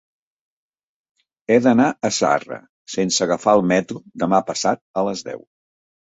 He d'anar a Zarra sense agafar el metro demà passat a les deu.